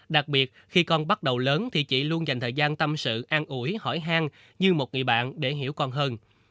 đặc biệt khi con bắt đầu lớn thì chị luôn dành thời gian tâm sự an ủi hỏi hang như một người bạn để hiểu con hơn